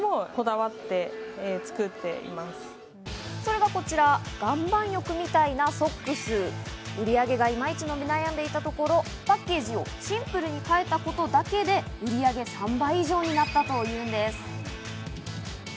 それがこちら「岩盤浴みたいなソックス」、売り上げがいまいち伸び悩んでいたところ、パッケージをシンプルに変えたことだけで売り上げ３倍以上になったというんです。